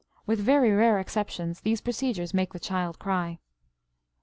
With very rare exceptions these procedures make the child cry.